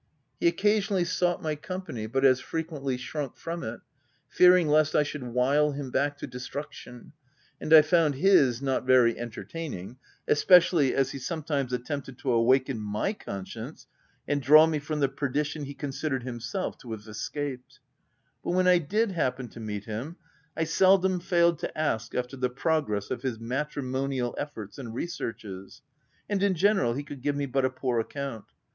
He occasionally sought my company but as frequently shrunk from it, fearing lest 1 should wile him back to destruction, and I found his not very entertaining, especially, as he some times attempted to awaken my conscience and draw me from the perdition he considered him self to have escaped ; but when I did happen to meet him, I seldom failed to ask after the progress of his matrimonial efforts and re searches, and, in general he could give me but a poor account.